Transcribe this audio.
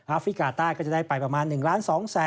อาฟริกาใต้ก็จะได้ไปประมาณ๑๒๐๐๐๐๐บาท